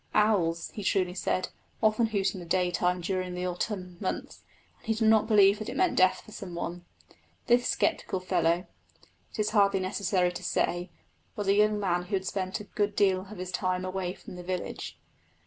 Owls, he truly said, often hoot in the daytime during the autumn months, and he did not believe that it meant death for some one. This sceptical fellow, it is hardly necessary to say, was a young man who had spent a good deal of his time away from the village.